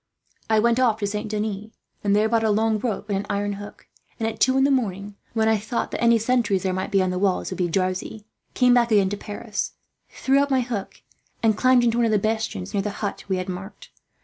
I went off to Saint Denis, and there bought a long rope and an iron hook; and at two in the morning, when I thought that any sentries there might be on the walls would be drowsy, came back again to Paris, threw up my hook, and climbed into one of the bastions near the hut we had marked.